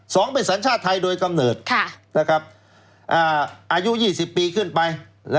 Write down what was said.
สองเป็นสัญชาติไทยโดยกำเนิดอายุ๒๐ปีขึ้นไป